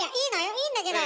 いいんだけど。